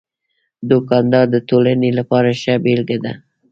دوکاندار د ټولنې لپاره ښه بېلګه ده.